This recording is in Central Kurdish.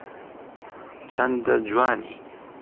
چەندە جوانی